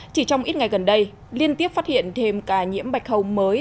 chỉ trong ít ngày gần đây liên tiếp phát hiện thêm ca nhiễm bạch hầu mới